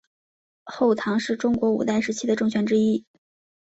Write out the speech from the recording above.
后唐是中国五代时期的政权之一。